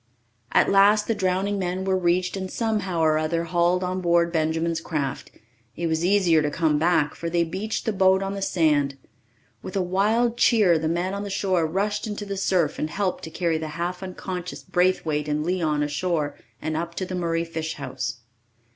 At last the drowning men were reached and somehow or other hauled on board Benjamin's craft. It was easier to come back, for they beached the boat on the sand. With a wild cheer the men on the shore rushed into the surf and helped to carry the half unconscious Braithwaite and Leon ashore and up to the Murray fish house.